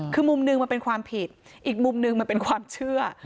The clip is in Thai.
คือมุมหนึ่งมันเป็นความผิดอีกมุมหนึ่งมันเป็นความเชื่อ